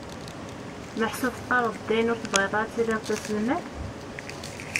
Meḥsub teqqareḍ-d dayen ur tebɣiḍ ara tiliḍ d taselmadt?